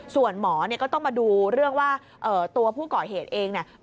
ส่วนหมอเนี่ยก็ต้องมาดูเรื่องว่าตัวผู้ก่อเหตุเองเนี่ย